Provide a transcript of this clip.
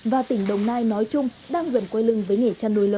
và tỉnh đồng nai nói chung đang dần quay lưng với nghề chăn nuôi lớn